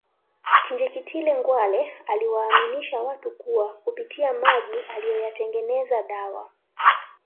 Kinjeketile Ngwale aliyewaaminisha watu kuwa kupitia maji aliyoyatengeneza dawa